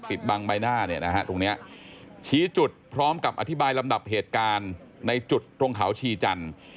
บังใบหน้าเนี่ยนะฮะตรงนี้ชี้จุดพร้อมกับอธิบายลำดับเหตุการณ์ในจุดตรงเขาชีจันทร์